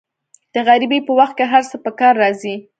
د غریبۍ په وخت کې هر څه په کار راځي.